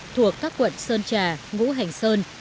thuộc các quận sơn trà ngũ hành sơn